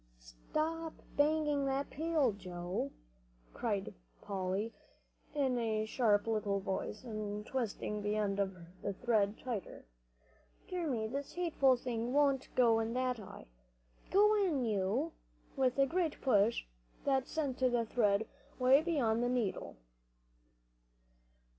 "Stop banging that pail, Joe," called Polly, in a sharp little voice, and twisting the end of the thread tighter. "Dear me, this hateful thing won't go in that eye. Go in, you!" with a push that sent the thread way beyond the needle.